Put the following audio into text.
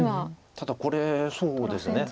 ただこれそうですね。